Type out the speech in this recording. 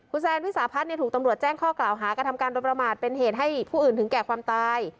คุณแซนวิสาพัฒน์ถูกตำรวจแจ้งข้อกล่าวหากระทำการโดยประมาทเป็นเหตุให้ผู้อื่นถึงแก่ความตาย